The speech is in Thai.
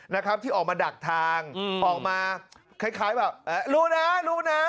นะครับที่ออกมาดักทางออกมาคล้ายแบบรู้นะรู้นะ